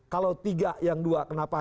kalau tiga yang dua kenapa